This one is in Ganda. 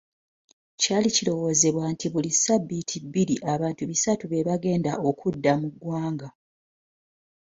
Kyali kirowoozebwa nti buli sabbiiti bbiri, abantu bisatu bebagenda okudda mu ggwanga.